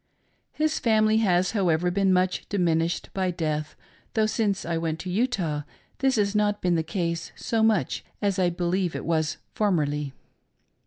His family has however been much diminished by death, though since I went to Utah this has not been the case so much as I believe it was formerly.